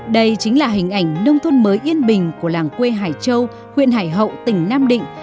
đây chính là hình ảnh nông thôn mới yên bình của làng quê hải châu huyện hải hậu tỉnh nam định